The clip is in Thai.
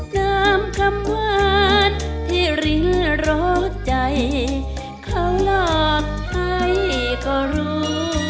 จำคำความที่ริ้งโรคใจเขาหลอกใครก็รู้